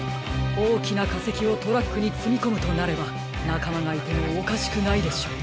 おおきなかせきをトラックにつみこむとなればなかまがいてもおかしくないでしょう。